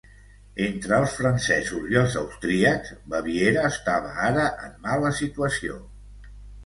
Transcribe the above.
Entre els francesos i els austríacs, Baviera estava ara en mala situació.